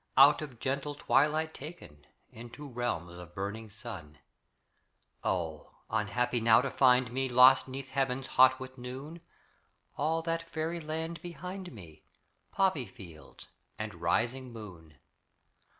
Out of gentle twilight taken Into realms of burning sun: Oh, unhappy now to find me Lost 'neath heavens hot with noon; All that fairy land behind me; Poppy fields and rising moon!